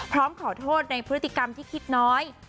พร้อมขอโทษในพฤติกรรมที่คิดน้อย